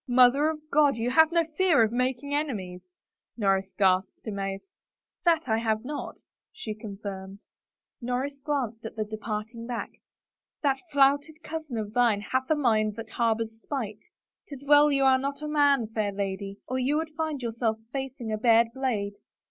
" Mother of God, but you have no fear of making enemies I " Norris gasped, amazed. " That I have not," she confirmed. Norris glanced at the departing back. " That flouted cousin of thine hath a mind that harbors spite. 'Tis well you are not a man, fair lady, or you would find yourself facing a bared blade."